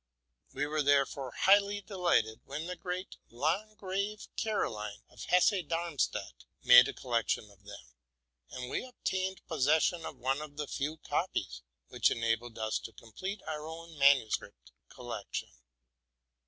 We were therefore highly delighted when the great Landgravine Caroline of Hesse Darmstadt made a collection of them; and we obtained possession of one of the few copies, which enabled us to complete our own manuscript collection.